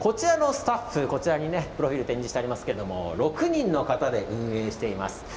スタッフのプロフィールが展示していますけれども６人の方で運営しています。